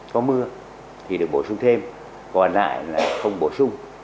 có mưa thì được bổ sung thêm còn lại không bổ sung